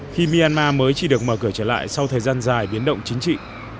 khi myanmar mới chỉ được mở cửa trở lại sau thời gian dài biến động chính trị